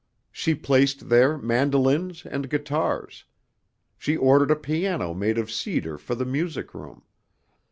She placed there mandolins and guitars. She ordered a piano made of cedar for the music room.